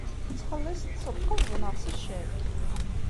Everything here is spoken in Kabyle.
Tettxelliṣeḍ-t s lqebḍ neɣ s ccak?